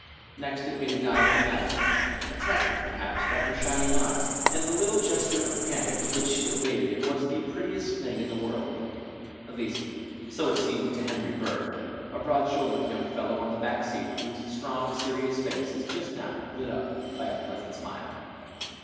Next it made a dive at Madeline, attracted, perhaps, by her shining eyes, and the little gesture of panic with which she evaded it was the prettiest thing in the world; at least, so it seemed to Henry Burr, a broad shouldered young fellow on the back seat, whose strong, serious face is just now lit up by a pleasant smile.